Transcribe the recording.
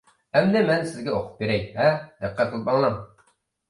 ئەمدى مەن سىزگە ئوقۇپ بېرەي، ھە، دىققەت قىلىپ ئاڭلاڭ.